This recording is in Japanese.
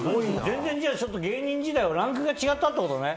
全然、芸人時代はランクが違ったってことね。